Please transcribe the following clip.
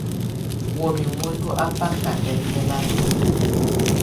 Wamɛ̀á muǝndù à baká ɛmɛlatɔ̀.